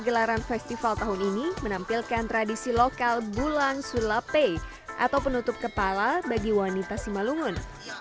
gelaran festival tahun ini menampilkan tradisi lokal bulan sulape atau penutup kepala bagi wanita simalungun